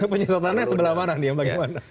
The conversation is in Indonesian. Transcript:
penyesatannya sebelah mana nih yang bagaimana